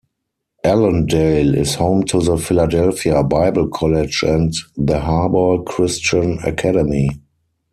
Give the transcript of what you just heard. Ellendale is home to the Philadelphia Bible College and the Harbor Christian Academy.